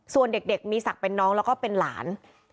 ส่วนเด็กมีศักดิ์เป็นน้องแล้วก็เป็นหลาน